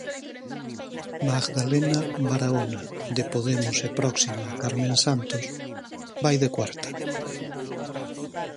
Magdalena Barahona, de Podemos e próxima a Carmen Santos, vai de cuarta.